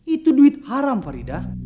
itu duit haram farida